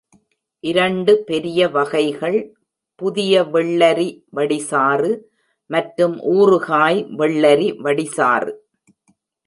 இரண்டு பெரிய வகைகள் புதிய வெள்ளரி வடிசாறு மற்றும் ஊறுகாய் வெள்ளரி வடிசாறு.